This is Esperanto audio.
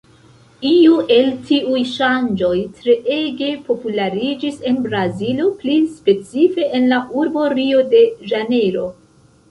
Iu el tiuj ŝanĝoj treege populariĝis en Brazilo, pli specife, en la urbo Rio-de-Ĵanejro.